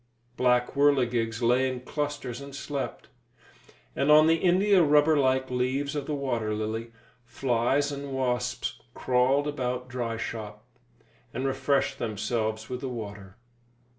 Black whirligigs lay in clusters and slept; and on the india rubber like leaves of the water lily, flies and wasps crawled about dry shop, and refreshed themselves with the water.